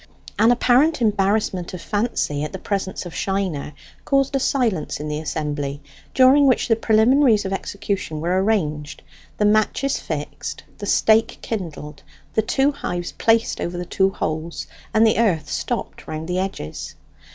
An apparent embarrassment of Fancy at the presence of Shiner caused a silence in the assembly, during which the preliminaries of execution were arranged, the matches fixed, the stake kindled, the two hives placed over the two holes, and the earth stopped round the edges.